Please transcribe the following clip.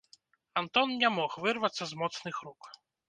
Антон не мог вырвацца з моцных рук.